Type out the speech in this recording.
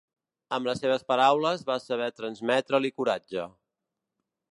Amb les seves paraules va saber transmetre-li coratge.